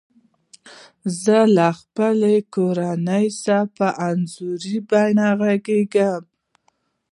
زه له خپلي کورنۍ سره په انځوریزه بڼه غږیږم.